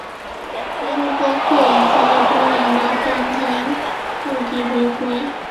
当中包括已结业多年的欢乐天地回归。